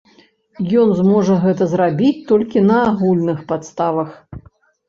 Ён зможа гэта зрабіць толькі на агульных падставах.